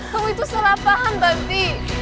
kamu itu salah paham babi